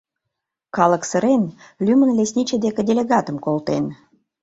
Калык сырен, лӱмын лесничий деке делегатым колтен.